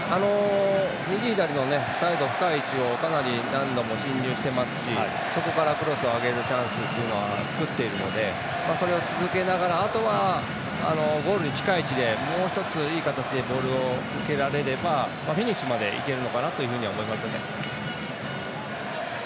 右左のサイド、深い位置をかなり何度も進入してますしそこからクロスを上げるチャンスっていうのは作っているのでそれを続けながらあとはゴールに近い位置でもう１つ、いい形でボールを受けられればフィニッシュまでいけるのかなというふうには思いますね。